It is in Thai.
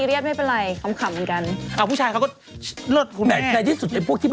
แล้วพูดชายเขาไม่รู้กันเหรอ